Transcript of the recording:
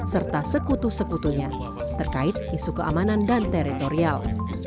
serta sekutu sekutunya terkait isu keamanan dan teritorial